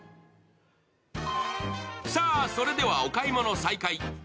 さあ、それではお買い物再開。